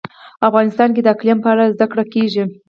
افغانستان کې د اقلیم په اړه زده کړه کېږي.